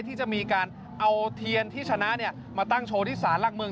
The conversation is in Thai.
ที่จะมีการเอาเทียนที่ชนะมาตั้งโชว์ที่สารหลักเมือง